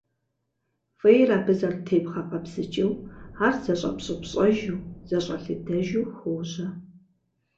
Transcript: Фӏейр абы зэрытебгъэкъэбзыкӏыу, ар зэщӏэпщӏыпщӏэжу, зэщӏэлыдэжу хуожьэ.